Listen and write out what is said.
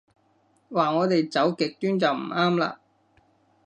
話我哋走極端就唔啱啦